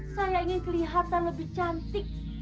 saya ingin kelihatan lebih cantik